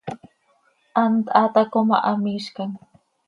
Hant haa taco ma, hamiizcam.